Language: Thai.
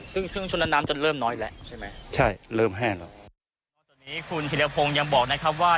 ซึ่งซึ่งช่วงนั้นน้ำจะเริ่มน้อยแล้วใช่ไหมใช่เริ่มแห้งแล้วตอนนี้คุณธิรพงศ์ยังบอกนะครับว่า